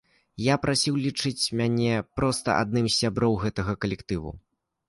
Я прасіў лічыць мяне проста адным з сябраў гэтага калектыву.